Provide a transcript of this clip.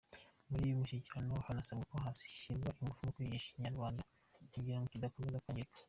Muri uyu mushyikirano hanasabwe ko hashyirwa ingufu mu kwigisha Ikinyarwanda kugira ngo kidakomeza kwangirika.